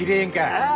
ああ。